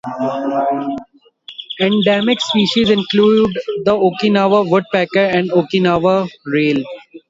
Endemic species include the Okinawa woodpecker and Okinawa rail.